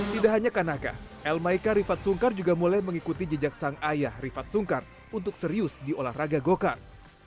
tidak hanya kanaka elmaika rifat sungkar juga mulai mengikuti jejak sang ayah rifat sungkar untuk serius di olahraga go kart